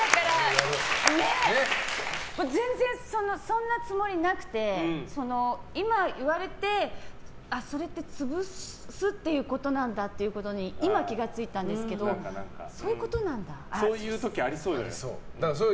全然、そんなつもりなくて今、言われてそれって潰すっていうことなんだってことに今、気が付いたんですけどそういう時ありそうじゃない？